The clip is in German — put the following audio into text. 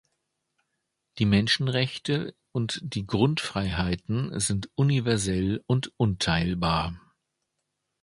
Die Menschenrechte und die Grundfreiheiten sind universell und unteilbar.